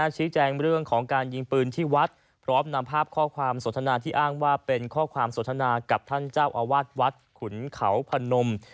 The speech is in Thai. ชี้แจงเรื่องของการยิงปืนที่วัดพร้อมนำภาพข้อความสนทนาที่อ้างว่าเป็นข้อความสนทนากับท่านเจ้าอาวาสวัดขุนเขาพนม